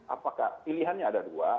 apakah pilihannya ada dua